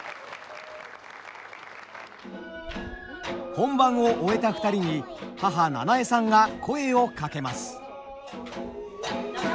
本番を終えた２人に母奈々恵さんが声を掛けます。